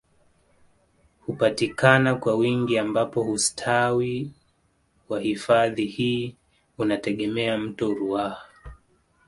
Hupatikana kwa wingi ambapo hustawi wa hifadhi hii unategemea mto ruaha